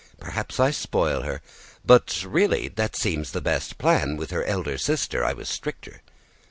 Perhaps I spoil her, but really that seems the best plan. With her elder sister I was stricter."